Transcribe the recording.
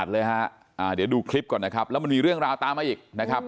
เดี๋ยวดูคลิปก่อนนะครับแล้วมันมีเรื่องราวตามมาอีกนะครับ